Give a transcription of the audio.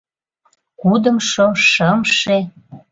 Кудымшо, шымше...